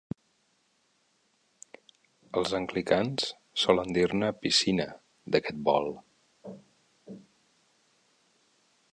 Els anglicans solen dir-ne "piscina" d'aquest bol.